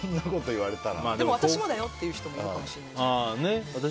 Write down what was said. でも、私もだよっていう人もいるかもしれない。